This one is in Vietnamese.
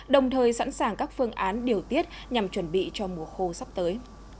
đồng thời sẵn sàng các phương án điều tiết nhằm chuẩn bị cho mùa khô sắp tới